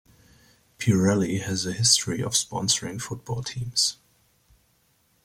Pirelli has a history of sponsoring football teams.